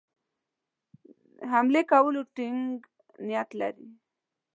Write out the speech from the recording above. د حملې کولو ټینګ نیت کړی دی.